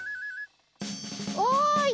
おい！